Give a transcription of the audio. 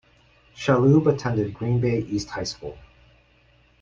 Shalhoub attended Green Bay East High School.